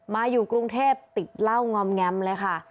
อยู่กรุงเทพติดเหล้างอมแงมเลยค่ะ